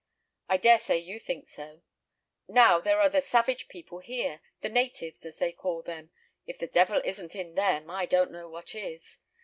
I dare say you think so. Now, there are the savage people here: the natives, as they call them; if the devil isn't in them, I don't know what is.